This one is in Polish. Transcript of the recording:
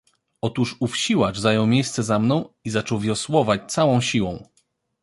"Otóż ów siłacz zajął miejsce za mną i zaczął wiosłować całą siłą."